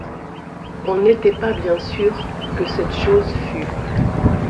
On n’était pas bien sûr que cette chose fût.